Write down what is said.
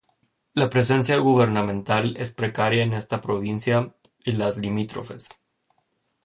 La presencia gubernamental es precaria en esta provincia y las limítrofes.